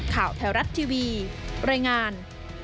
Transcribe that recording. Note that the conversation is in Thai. ข่าวแถวรัฐทีวีรายงาน